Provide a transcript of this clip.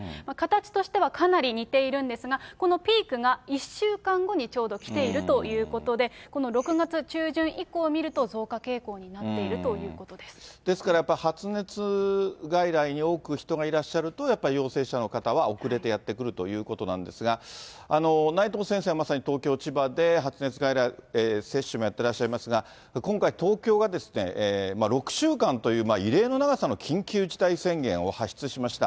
形としてはかなり似ているんですが、このピークがちょうど１週間後にちょうど来ているということで、この６月中旬以降を見ると増加傾向になっているということでですからやっぱり、発熱外来に多く人がいらっしゃると、やっぱり、陽性者の方は遅れてやって来るということなんですが、内藤先生はまさに東京、千葉で発熱外来、接種もやっていらっしゃいますが、今回、東京が６週間という異例の長さの緊急事態宣言を発出しました。